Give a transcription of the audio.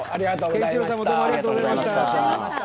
健一郎さんもどうもありがとうございました。